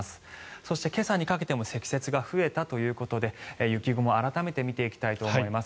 そして今朝にかけても積雪が増えたということで雪雲、改めて見ていきたいと思います。